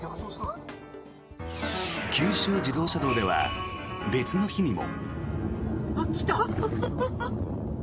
九州自動車道では別の日にも。